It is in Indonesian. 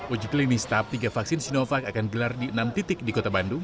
uji klinis tahap tiga vaksin sinovac akan gelar di enam titik di kota bandung